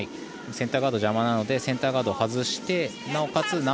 センターガード邪魔なのでセンターガードを外してなおかつ